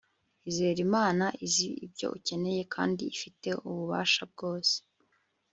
Izere Imana Imana izi ibyo ukeneye kandi ifite ububasha bwose